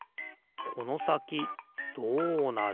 このさきどうなる？